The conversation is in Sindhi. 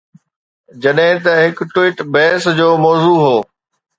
جڏهن ته هڪ ٽوئيٽ بحث جو موضوع هو.